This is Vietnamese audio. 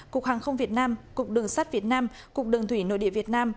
cục hàng không việt nam cục đường sắt việt nam cục đường thủy nội địa việt nam